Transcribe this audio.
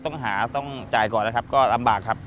ต้องหาต้องจ่ายก่อนนะครับก็ลำบากครับ